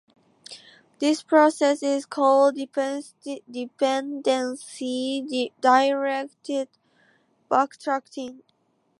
This process is called dependency-directed backtracking.